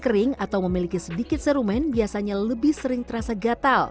kering atau memiliki sedikit serumen biasanya lebih sering terasa gatal aroma khas daripada serumen